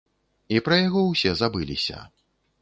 І пра яго ўсе забыліся.